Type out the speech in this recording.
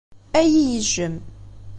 Ad iyi-yejjem.